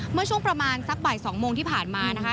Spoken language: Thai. เมื่อช่วงประมาณสักบ่าย๒โมงที่ผ่านมานะคะ